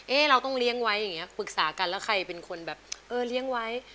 เราต้องเลี้ยงไว้อย่างนี้ปรึกษากันแล้วใครเป็นคนแบบเออเลี้ยงไว้